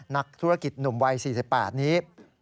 นักธุรกิจหนุ่มวัย๔๘นี้